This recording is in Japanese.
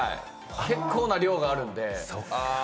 結構な量があるので。